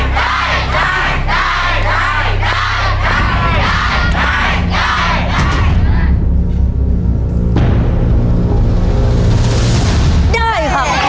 ไปไอ้น้องด้วย